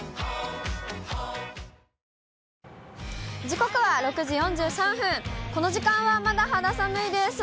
時刻は６時４３分、この時間はまだ肌寒いです。